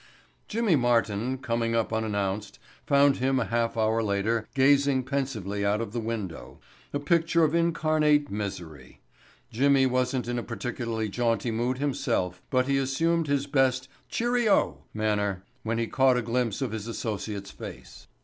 Jimmy Martin, coming up unannounced, found him a half hour later gazing pensively out of the window—a picture of incarnate misery. Jimmy wasn't in a particularly jaunty mood himself, but he assumed his best "cheery oh" manner when he caught a glimpse of his associate's face.